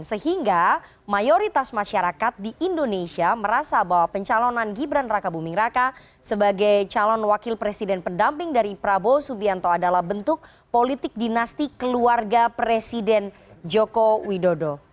sehingga mayoritas masyarakat di indonesia merasa bahwa pencalonan gibran raka buming raka sebagai calon wakil presiden pendamping dari prabowo subianto adalah bentuk politik dinasti keluarga presiden joko widodo